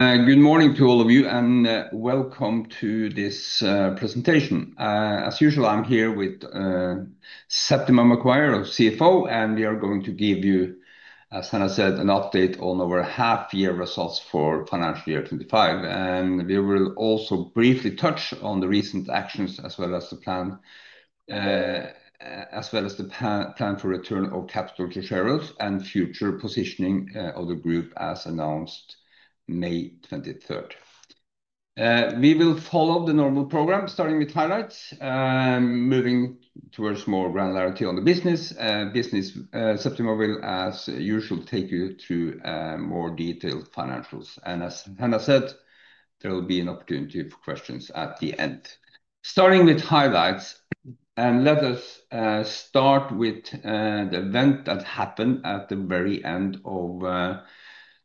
Good morning to all of you, and welcome to this presentation. As usual, I'm here with Septima Maguire, our CFO, and we are going to give you, as Hannah said, an update on our half-year results for financial year 2025. We will also briefly touch on the recent actions, as well as the plan for return of capital to shareholders and future positioning of the group as announced May 23rd. We will follow the normal program, starting with highlights, moving towards more granularity on the business. Septima will, as usual, take you through more detailed financials. As Hannah said, there will be an opportunity for questions at the end. Starting with highlights, let us start with the event that happened at the very end of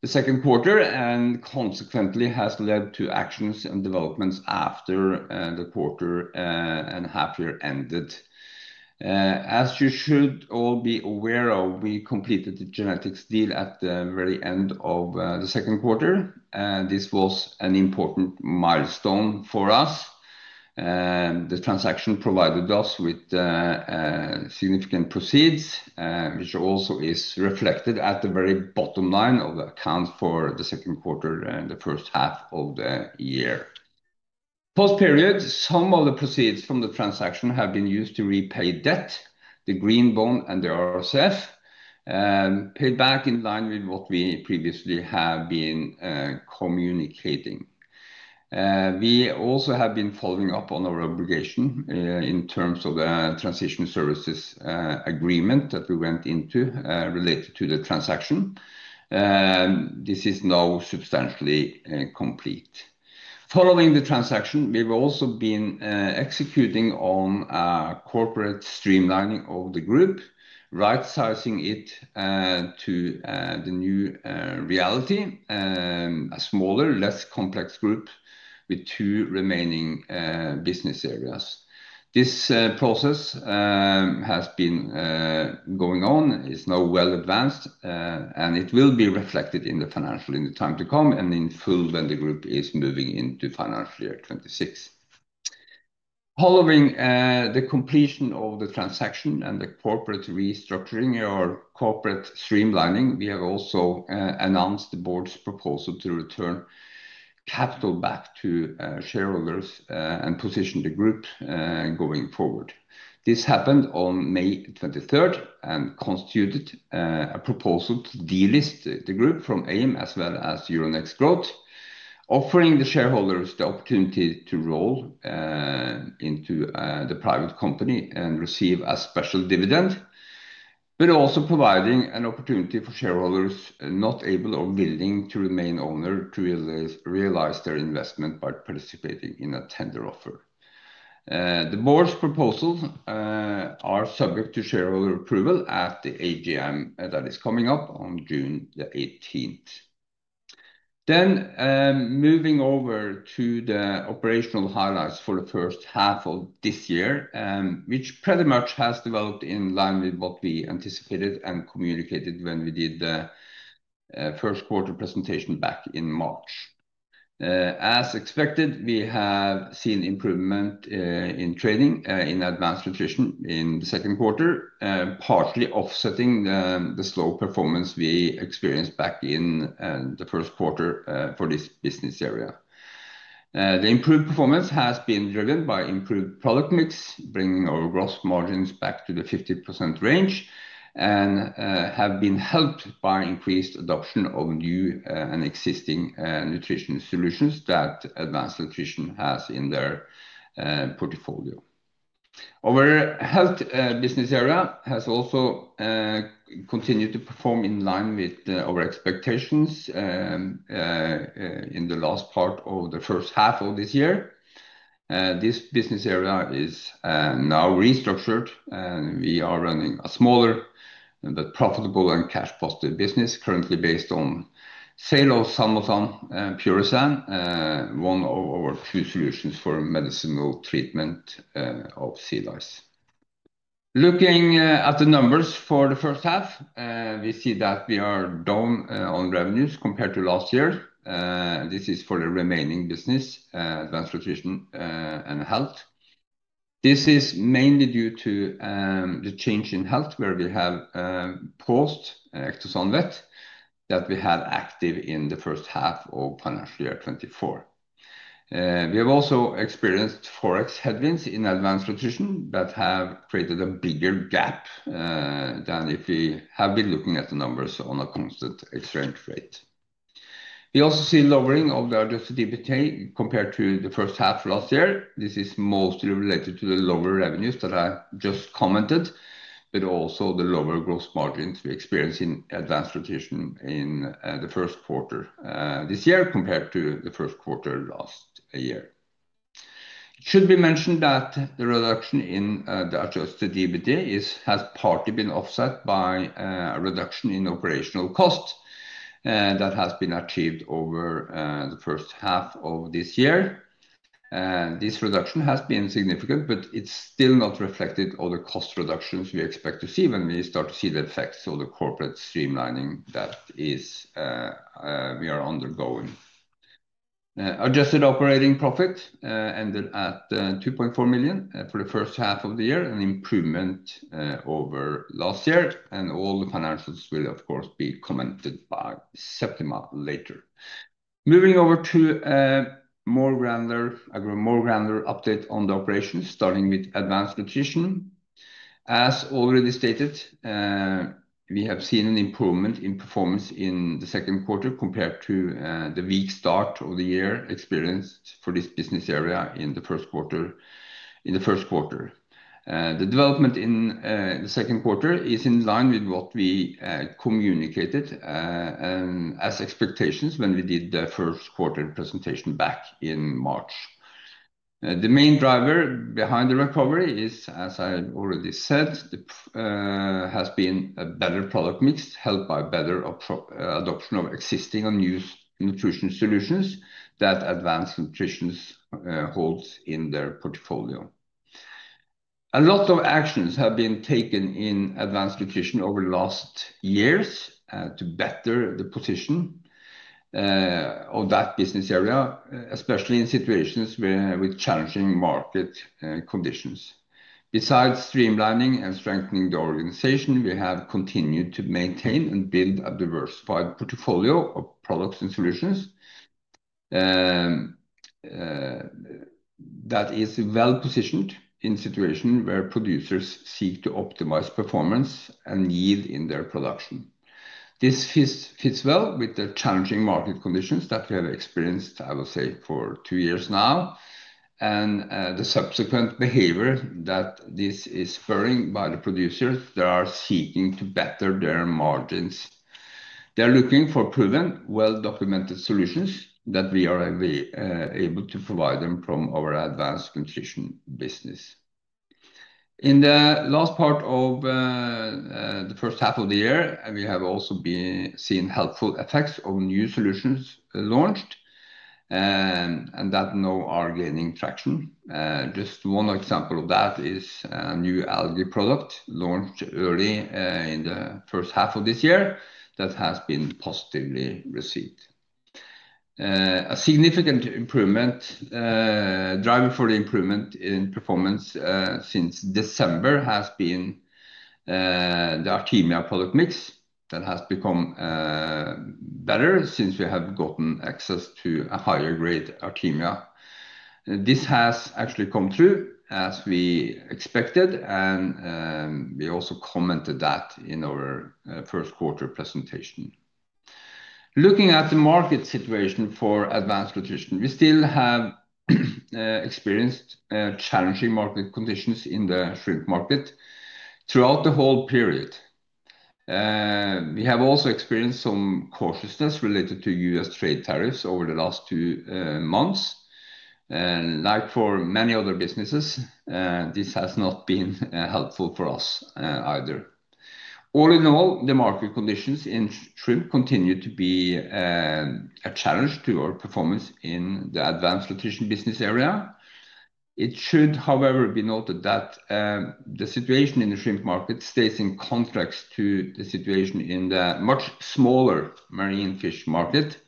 the second quarter and consequently has led to actions and developments after the quarter and half-year ended. As you should all be aware of, we completed the genetics deal at the very end of the second quarter. This was an important milestone for us. The transaction provided us with significant proceeds, which also is reflected at the very bottom line of the account for the second quarter and the first half of the year. Post-period, some of the proceeds from the transaction have been used to repay debt, the green bond, and the RSF, paid back in line with what we previously have been communicating. We also have been following up on our obligation in terms of the transition services agreement that we went into related to the transaction. This is now substantially complete. Following the transaction, we've also been executing on corporate streamlining of the group, right-sizing it to the new reality, a smaller, less complex group with two remaining business areas. This process has been going on, is now well-advanced, and it will be reflected in the financial in the time to come and in full when the group is moving into Financial Year 2026. Following the completion of the transaction and the corporate restructuring or corporate streamlining, we have also announced the Board's proposal to return capital back to shareholders and position the group going forward. This happened on May 23rd and constituted a proposal to delist the group from AIM as well as Euronext Growth, offering the shareholders the opportunity to roll into the private company and receive a special dividend, but also providing an opportunity for shareholders not able or willing to remain owner to realize their investment by participating in a tender offer. The Board's proposals are subject to shareholder approval at the AGM that is coming up on June 18th. Moving over to the operational highlights for the first half of this year, which pretty much has developed in line with what we anticipated and communicated when we did the first quarter presentation back in March. As expected, we have seen improvement in trading, in advanced nutrition in the second quarter, partially offsetting the slow performance we experienced back in the first quarter for this business area. The improved performance has been driven by improved product mix, bringing our gross margins back to the 50% range, and have been helped by increased adoption of new and existing nutrition solutions that advanced nutrition has in their portfolio. Our health business area has also continued to perform in line with our expectations in the last part of the first half of this year. This business area is now restructured. We are running a smaller but profitable and cash-positive business currently based on sale of Salmosan and Purisan, one of our two solutions for medicinal treatment of sea lice. Looking at the numbers for the first half, we see that we are down on revenues compared to last year. This is for the remaining business, advanced nutrition and health. This is mainly due to the change in health where we have post-Ectosan Vet that we have active in the first half of financial year 2024. We have also experienced Forex headwinds in advanced nutrition that have created a bigger gap than if we have been looking at the numbers on a constant exchange rate. We also see lowering of the adjusted [EBITDA] compared to the first half of last year. This is mostly related to the lower revenues that I just commented, but also the lower gross margins we experience in advanced nutrition in the first quarter this year compared to the first quarter last year. It should be mentioned that the reduction in the adjusted [EBITDA] has partly been offset by a reduction in operational cost that has been achieved over the first half of this year. This reduction has been significant, but it still does not reflect all the cost reductions we expect to see when we start to see the effects of the corporate streamlining that we are undergoing. Adjusted operating profit ended at 2.4 million for the first half of the year, an improvement over last year. All the financials will, of course, be commented by Septima later. Moving over to a more granular, a more granular update on the operations, starting with advanced nutrition. As already stated, we have seen an improvement in performance in the second quarter compared to the weak start of the year experienced for this business area in the first quarter. The development in the second quarter is in line with what we communicated as expectations when we did the first quarter presentation back in March. The main driver behind the recovery is, as I already said, has been a better product mix helped by better adoption of existing and used nutrition solutions that advanced nutrition holds in their portfolio. A lot of actions have been taken in advanced nutrition over the last years to better the position of that business area, especially in situations with challenging market conditions. Besides streamlining and strengthening the organization, we have continued to maintain and build a diversified portfolio of products and solutions that is well positioned in situations where producers seek to optimize performance and yield in their production. This fits well with the challenging market conditions that we have experienced, I will say, for two years now, and the subsequent behavior that this is spurring by the producers that are seeking to better their margins. They are looking for proven, well-documented solutions that we are able to provide them from our advanced nutrition business. In the last part of the first half of the year, we have also seen helpful effects of new solutions launched and that now are gaining traction. Just one example of that is a new algae product launched early in the first half of this year that has been positively received. A significant improvement driver for the improvement in performance since December has been the Artemia product mix that has become better since we have gotten access to a higher-grade Artemia. This has actually come true as we expected, and we also commented that in our first quarter presentation. Looking at the market situation for advanced nutrition, we still have experienced challenging market conditions in the shrimp market throughout the whole period. We have also experienced some cautiousness related to U.S. trade tariffs over the last two months. Like for many other businesses, this has not been helpful for us either. All in all, the market conditions in shrimp continue to be a challenge to our performance in the advanced nutrition business area. It should, however, be noted that the situation in the shrimp market stays in contrast to the situation in the much smaller marine fish market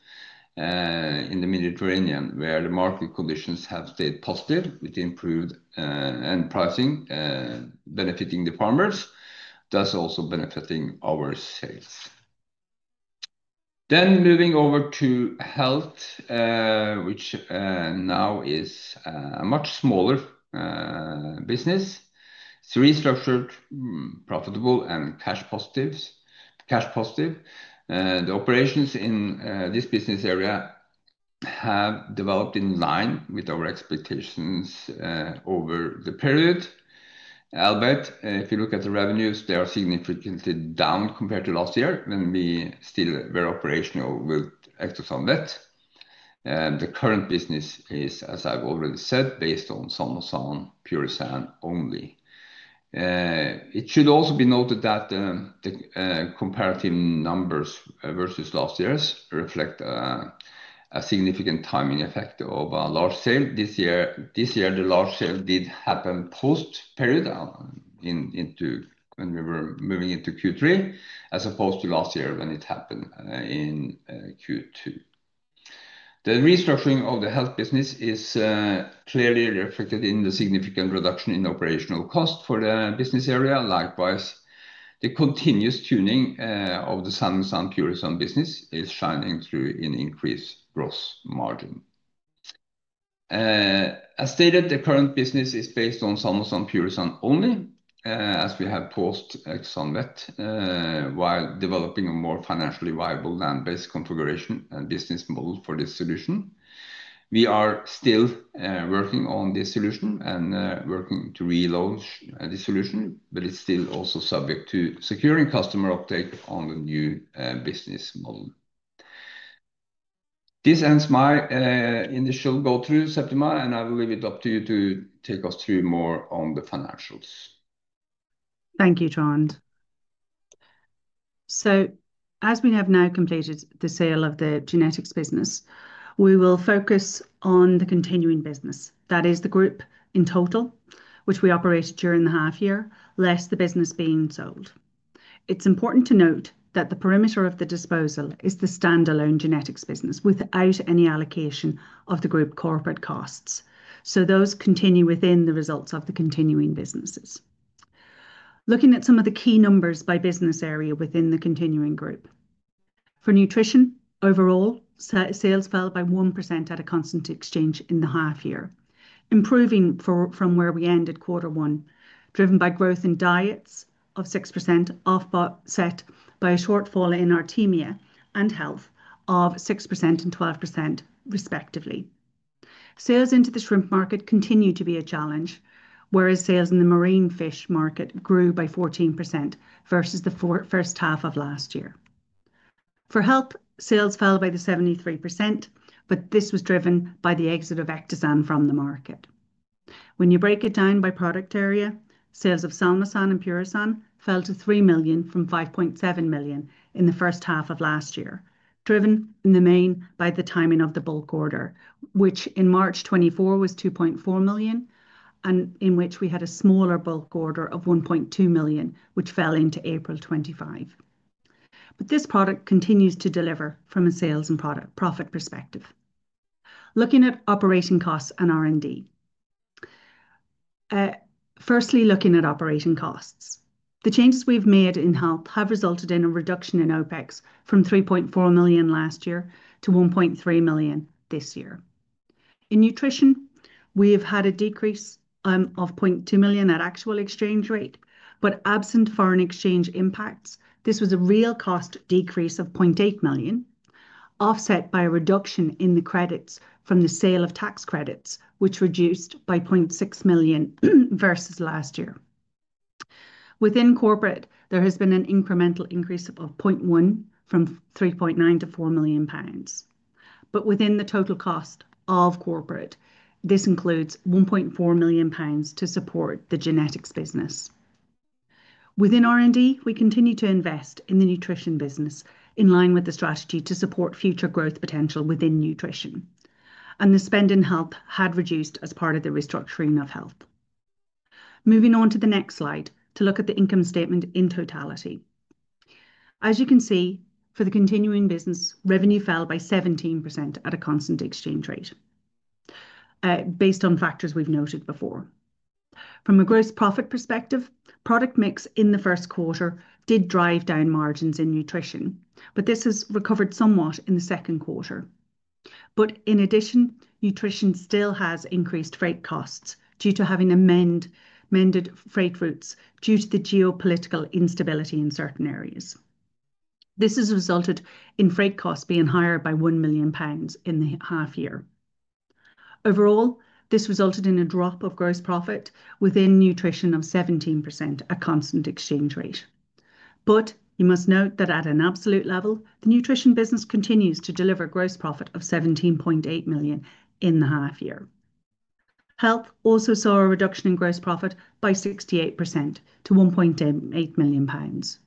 in the Mediterranean, where the market conditions have stayed positive with improved and pricing benefiting the farmers, thus also benefiting our sales. Moving over to health, which now is a much smaller business, it is restructured, profitable, and cash-positive. The operations in this business area have developed in line with our expectations over the period. Albeit if you look at the revenues, they are significantly down compared to last year when we still were operational with Ectosan Vet on that. The current business is, as I have already said, based on Salmosan and Purisan only. It should also be noted that the comparative numbers versus last year reflect a significant timing effect of a large sale. This year, the large sale did happen post-period into when we were moving into Q3, as opposed to last year when it happened in Q2. The restructuring of the health business is clearly reflected in the significant reduction in operational cost for the business area. Likewise, the continuous tuning of the Salmosan Purisan business is shining through in increased gross margin. As stated, the current business is based on Salmosan Purisan only, as we have post-Ectosan Vet while developing a more financially viable land-based configuration and business model for this solution. We are still working on this solution and working to re-launch the solution, but it's still also subject to securing customer uptake on the new business model. This ends my initial go-through Septima, and I will leave it up to you to take us through more on the financials. Thank you, Trond. As we have now completed the sale of the genetics business, we will focus on the continuing business. That is the group in total, which we operated during the half year, less the business being sold. It is important to note that the perimeter of the disposal is the standalone genetics business without any allocation of the group corporate costs. Those continue within the results of the continuing businesses. Looking at some of the key numbers by business area within the continuing group. For nutrition, overall sales fell by 1% at a constant exchange in the half year, improving from where we ended quarter one, driven by growth in diets of 6% offset by a shortfall in Artemia and health of 6% and 12% respectively. Sales into the shrimp market continue to be a challenge, whereas sales in the marine fish market grew by 14% versus the first half of last year. For health, sales fell by 73%, but this was driven by the exit of Ectosan from the market. When you break it down by product area, sales of Salmosan and Purisan fell to 3 million from 5.7 million in the first half of last year, driven in the main by the timing of the bulk order, which in March 2024 was 2.4 million and in which we had a smaller bulk order of 1.2 million, which fell into April 2025. This product continues to deliver from a sales and product profit perspective. Looking at operating costs and R&D. Firstly, looking at operating costs, the changes we've made in health have resulted in a reduction in OpEx from 3.4 million last year to 1.3 million this year. In nutrition, we have had a decrease of 0.2 million at actual exchange rate, but absent foreign exchange impacts, this was a real cost decrease of 0.8 million, offset by a reduction in the credits from the sale of tax credits, which reduced by 0.6 million versus last year. Within corporate, there has been an incremental increase of 0.1 million from 3.9 million to 4 million pounds. Within the total cost of corporate, this includes 1.4 million pounds to support the genetics business. Within R&D, we continue to invest in the nutrition business in line with the strategy to support future growth potential within nutrition. The spend in health had reduced as part of the restructuring of health. Moving on to the next slide to look at the income statement in totality. As you can see, for the continuing business, revenue fell by 17% at a constant exchange rate based on factors we have noted before. From a gross profit perspective, product mix in the first quarter did drive down margins in nutrition, but this has recovered somewhat in the second quarter. In addition, nutrition still has increased freight costs due to having amended freight routes due to the geopolitical instability in certain areas. This has resulted in freight costs being higher by 1 million pounds in the half year. Overall, this resulted in a drop of gross profit within nutrition of 17% at constant exchange rate. You must note that at an absolute level, the nutrition business continues to deliver gross profit of 17.8 million in the half year. Health also saw a reduction in gross profit by 68% to [1.8] million pounds,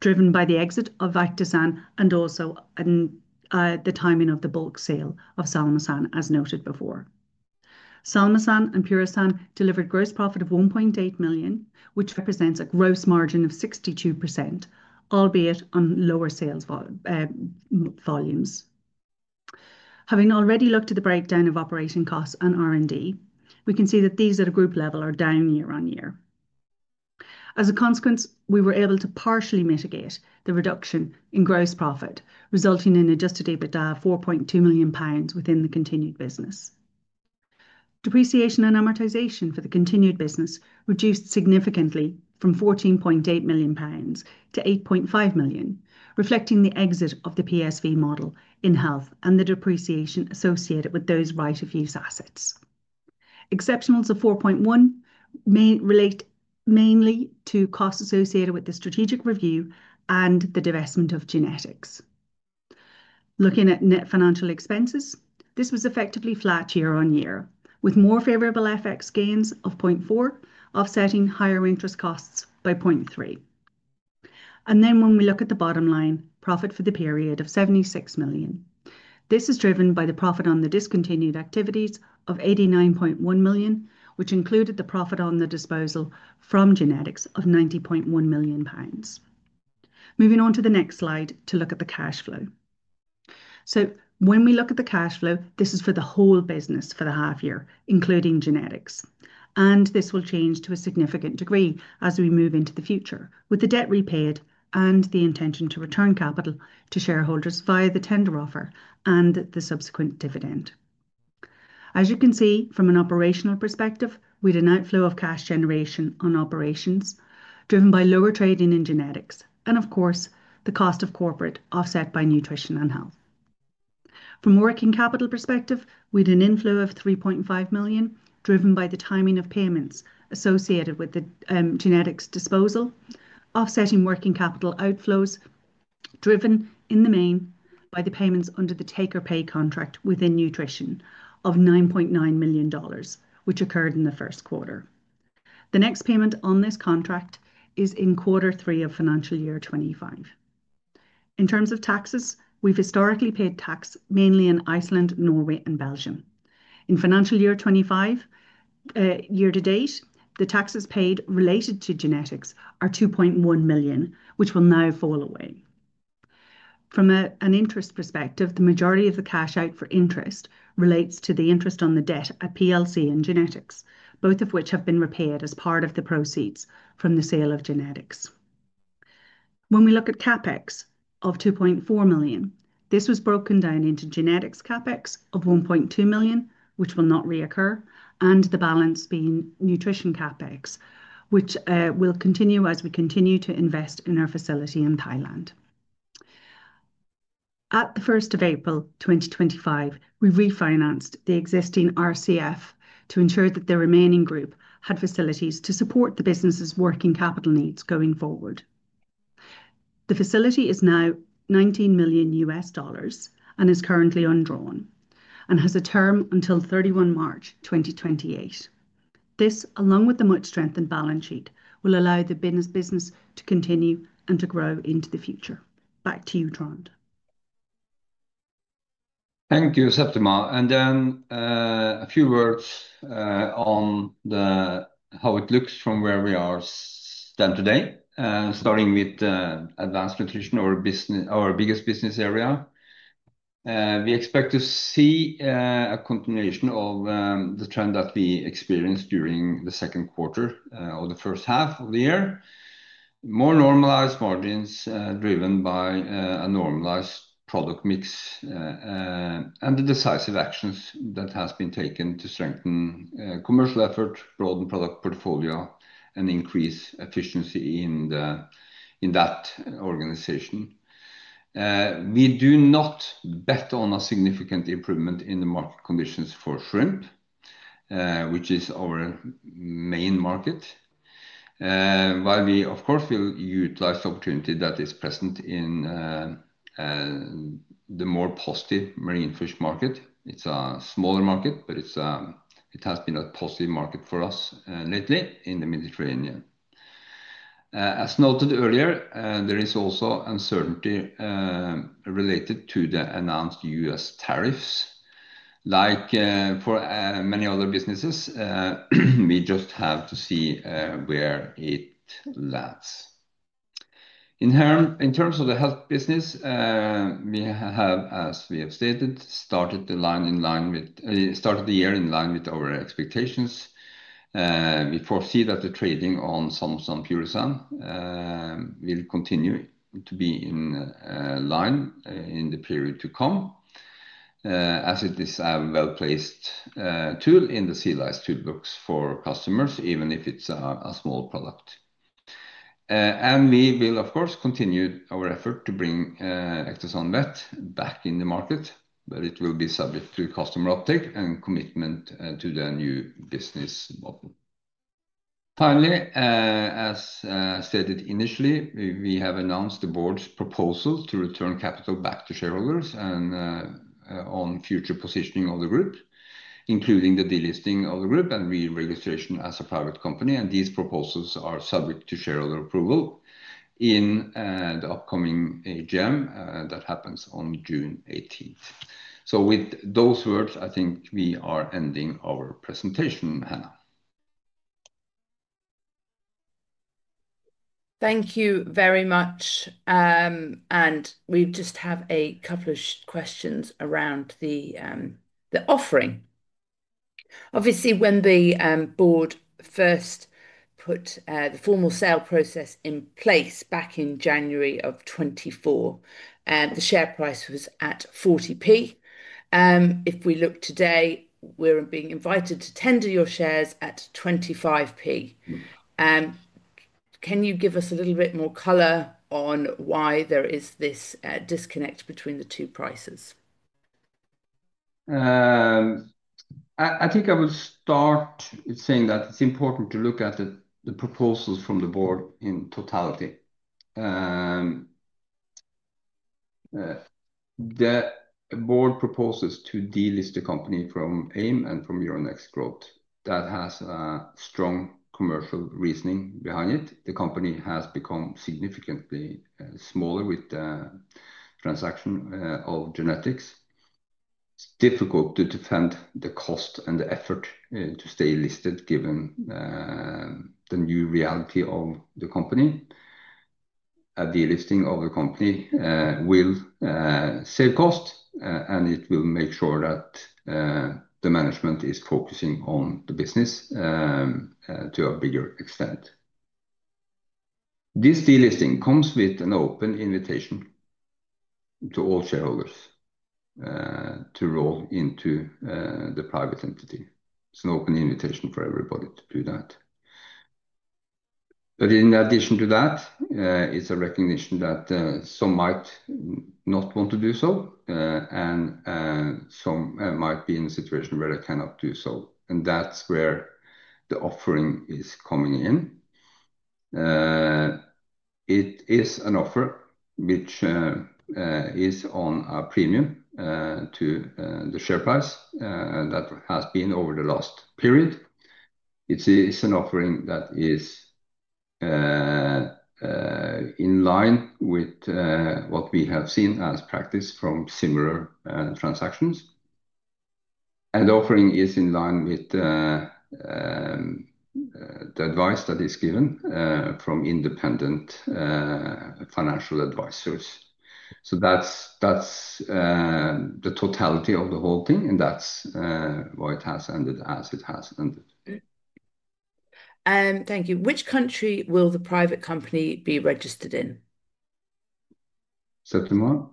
driven by the exit of Ectosan and also the timing of the bulk sale of Salmosan, as noted before. Salmosan and Purisan delivered gross profit of 1.8 million, which represents a gross margin of 62%, albeit on lower sales volumes. Having already looked at the breakdown of operating costs and R&D, we can see that these at a group level are down year-on-year. As a consequence, we were able to partially mitigate the reduction in gross profit, resulting in adjusted EBITDA of 4.2 million pounds within the continued business. Depreciation and amortization for the continued business reduced significantly from 14.8 million pounds to 8.5 million, reflecting the exit of the PSV model in health and the depreciation associated with those right-of-use assets. Exceptionals of 4.1 million relate mainly to costs associated with the strategic review and the divestment of genetics. Looking at net financial expenses, this was effectively flat year on year, with more favorable FX gains of 0.4 million offsetting higher interest costs by 0.3 million. When we look at the bottom line, profit for the period of 76 million. This is driven by the profit on the discontinued activities of 89.1 million, which included the profit on the disposal from genetics of 90.1 million pounds. Moving on to the next slide to look at the cash flow. When we look at the cash flow, this is for the whole business for the half-year, including genetics. This will change to a significant degree as we move into the future, with the debt repaid and the intention to return capital to shareholders via the tender offer and the subsequent dividend. As you can see from an operational perspective, we had an outflow of cash generation on operations driven by lower trading in genetics and, of course, the cost of corporate offset by nutrition and health. From a working capital perspective, we had an inflow of 3.5 million, driven by the timing of payments associated with the genetics disposal, offsetting working capital outflows driven in the main by the payments under the take-or-pay contract within nutrition of GBP 9.9 million, which occurred in the first quarter. The next payment on this contract is in quarter three of financial year 2025. In terms of taxes, we have historically paid tax mainly in Iceland, Norway, and Belgium. In financial year 2025, year to date, the taxes paid related to genetics areGBP 2.1 million, which will now fall away. From an interest perspective, the majority of the cash out for interest relates to the interest on the debt at PLC and genetics, both of which have been repaid as part of the proceeds from the sale of genetics. When we look at CapEx of 2.4 million, this was broken down into genetics CapEx of 1.2 million, which will not reoccur, and the balance being nutrition CapEx, which will continue as we continue to invest in our facility in Thailand. At the 1st of April 2025, we refinanced the existing RCF to ensure that the remaining group had facilities to support the business's working capital needs going forward. The facility is now $19 million and is currently undrawn and has a term until 31 March 2028. This, along with the much-strengthened balance sheet, will allow the business to continue and to grow into the future. Back to you, Trond. Thank you, Septima. A few words on how it looks from where we stand today, starting with advanced nutrition, our biggest business area. We expect to see a continuation of the trend that we experienced during the second quarter or the first half of the year, more normalized margins driven by a normalized product mix and the decisive actions that have been taken to strengthen commercial effort, broaden product portfolio, and increase efficiency in that organization. We do not bet on a significant improvement in the market conditions for shrimp, which is our main market, while we, of course, will utilize the opportunity that is present in the more positive marine fish market. It's a smaller market, but it has been a positive market for us lately in the Mediterranean. As noted earlier, there is also uncertainty related to the announced U.S. tariffs. Like for many other businesses, we just have to see where it lands. In terms of the health business, we have, as we have stated, started the line in line with the year in line with our expectations. We foresee that the trading on Salmosan Purisan will continue to be in line in the period to come, as it is a well-placed tool in the sea lice toolbox for customers, even if it's a small product. We will, of course, continue our effort to bring Ectosan Vet back in the market, but it will be subject to customer uptake and commitment to the new business model. Finally, as stated initially, we have announced the board's proposal to return capital back to shareholders and on future positioning of the group, including the delisting of the group and re-registration as a private company. These proposals are subject to shareholder approval in the upcoming AGM that happens on June 18th. With those words, I think we are ending our presentation, Hannah. Thank you very much. We just have a couple of questions around the offering. Obviously, when the Board first put the formal sale process in place back in January of 2024, the share price was at 0.40. If we look today, we're being invited to tender your shares at 0.25. Can you give us a little bit more color on why there is this disconnect between the two prices? That's where the offering is coming in. It is an offer which is on a premium to the share price that has been over the last period. It's an offering that is in line with what we have seen as practice from similar transactions. The offering is in line with the advice that is given from independent financial advisors. That's the totality of the whole thing, and that's why it has ended as it has ended. Thank you. Which country will the private company be registered in? Septima?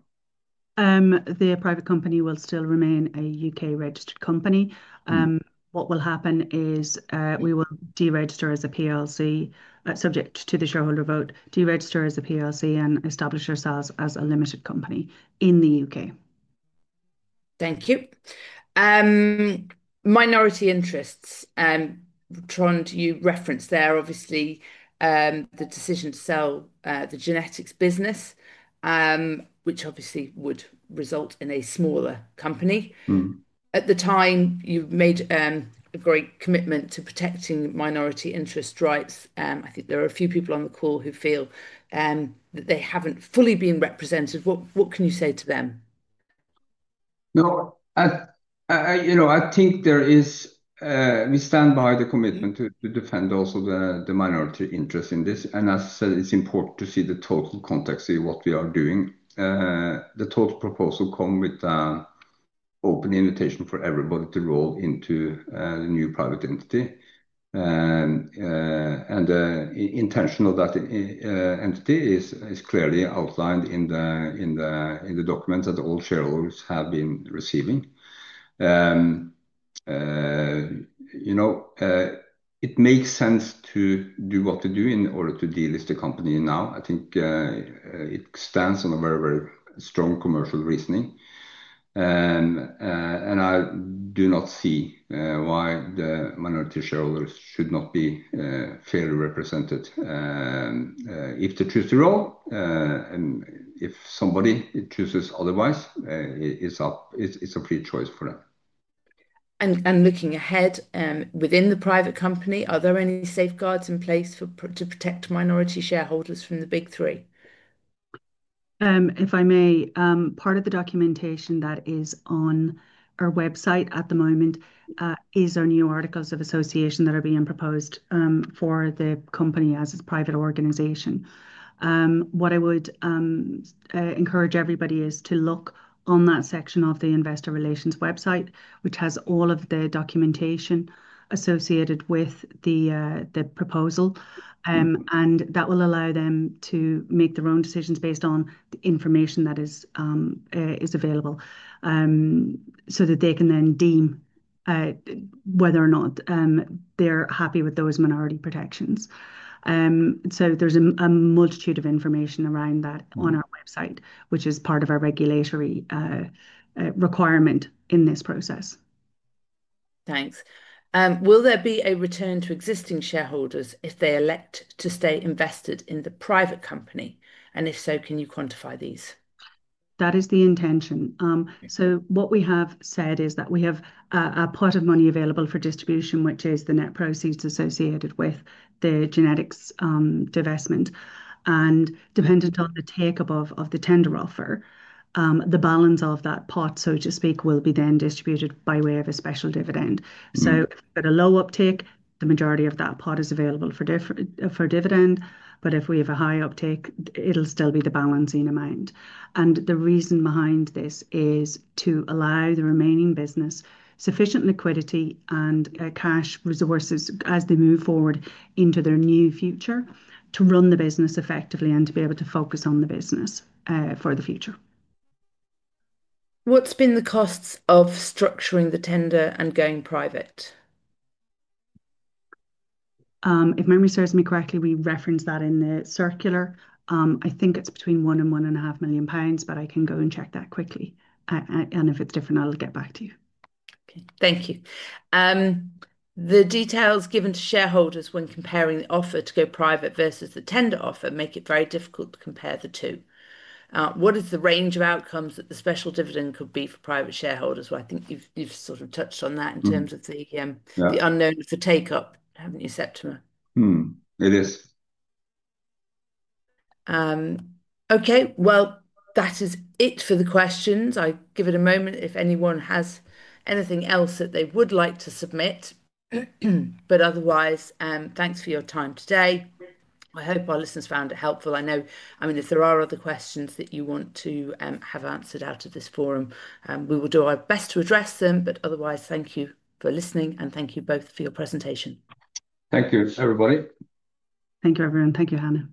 The private company will still remain a U.K.-registered company. What will happen is we will deregister as a PLC, subject to the shareholder vote, deregister as a PLC, and establish ourselves as a limited company in the U.K. Thank you. Minority interests. Trond, you referenced there, obviously, the decision to sell the genetics business, which obviously would result in a smaller company. At the time, you've made a great commitment to protecting minority interest rights. I think there are a few people on the call who feel that they haven't fully been represented. What can you say to them? No, I think we stand by the commitment to defend also the minority interest in this. As I said, it's important to see the total context of what we are doing. The total proposal comes with an open invitation for everybody to roll into the new private entity. The intention of that entity is clearly outlined in the documents that all shareholders have been receiving. It makes sense to do what to do in order to delist the company now. I think it stands on a very, very strong commercial reasoning. I do not see why the minority shareholders should not be fairly represented. If they choose to roll, and if somebody chooses otherwise, it's a free choice for them. Looking ahead within the private company, are there any safeguards in place to protect minority shareholders from the big three? If I may, part of the documentation that is on our website at the moment is our new articles of association that are being proposed for the company as its private organization. What I would encourage everybody is to look on that section of the investor relations website, which has all of the documentation associated with the proposal. That will allow them to make their own decisions based on the information that is available so that they can then deem whether or not they're happy with those minority protections. There is a multitude of information around that on our website, which is part of our regulatory requirement in this process. Thanks. Will there be a return to existing shareholders if they elect to stay invested in the private company? If so, can you quantify these? That is the intention. What we have said is that we have a pot of money available for distribution, which is the net proceeds associated with the genetics divestment. Dependent on the take-up of the tender offer, the balance of that pot, so to speak, will be then distributed by way of a special dividend. If we have a low uptake, the majority of that pot is available for dividend. If we have a high uptake, it will still be the balance in amount. The reason behind this is to allow the remaining business sufficient liquidity and cash resources as they move forward into their new future to run the business effectively and to be able to focus on the business for the future. What have been the costs of structuring the tender and going private? If memory serves me correctly, we referenced that in the circular. I think it is between 1 million-1.5 million pounds, but I can go and check that quickly. If it is different, I will get back to you. Thank you. The details given to shareholders when comparing the offer to go private versus the tender offer make it very difficult to compare the two. What is the range of outcomes that the special dividend could be for private shareholders? I think you've sort of touched on that in terms of the unknown for take-up, haven't you, Septima? It is. That is it for the questions. I'll give it a moment if anyone has anything else that they would like to submit. Otherwise, thanks for your time today. I hope our listeners found it helpful. I mean, if there are other questions that you want to have answered out of this forum, we will do our best to address them. Otherwise, thank you for listening, and thank you both for your presentation. Thank you, everybody. Thank you, everyone. Thank you, Hannah.